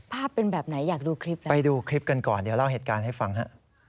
เป็นแบบไหนอยากดูคลิปไปดูคลิปกันก่อนเดี๋ยวเล่าเหตุการณ์ให้ฟังฮะ